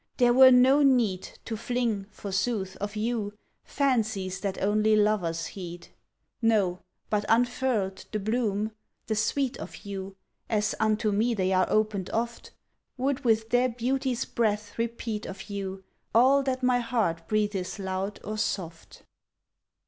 There were no need To fling (forsooth) of you Fancies that only lovers heed! No, but unfurled, The bloom, the sweet of you, (As unto me they are opened oft) Would with their beauty's breath repeat of you All that my heart breathes loud or soft!